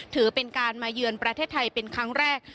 ถือเป็นการมาเยือนประเทศไทยเป็นครั้งแรก